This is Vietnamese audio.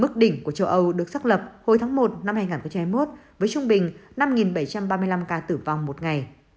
mức đỉnh của châu âu được xác lập hồi tháng một năm hai nghìn hai mươi một với trung bình năm bảy trăm ba mươi năm ca tử vong một ngày